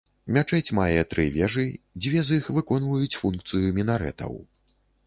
Мячэць мае тры вежы, дзве з іх выконваюць функцыю мінарэтаў.